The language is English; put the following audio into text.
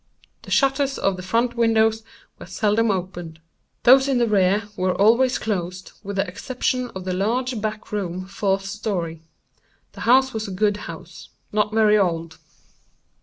The shutters of the front windows were seldom opened. Those in the rear were always closed, with the exception of the large back room, fourth story. The house was a good house—not very old.